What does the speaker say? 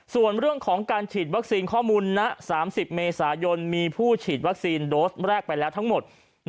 ส่วนเรื่องของการฉีดวัคซีนข้อมูลณ๓๐เมษายนมีผู้ฉีดวัคซีนโดสแรกไปแล้วทั้งหมด